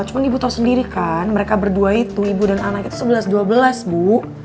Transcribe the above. cuma ibu tahu sendiri kan mereka berdua itu ibu dan anak itu sebelas dua belas bu